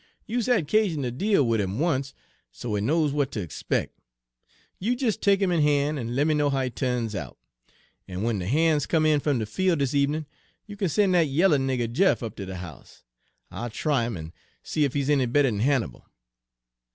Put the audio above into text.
You's had 'casion ter deal wid tim once, so he knows w'at ter expec'. You des take 'im in han', en lemme know how he tu'ns out. En w'en de han's comes in fum de fiel' dis ebenin' you kin sen' dat yaller nigger Jeff up ter de house. I'll try 'im, en see ef he's any better'n Hannibal.'